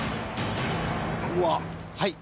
はい。